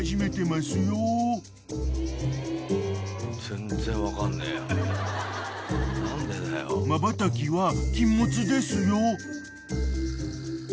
［まばたきは禁物ですよ］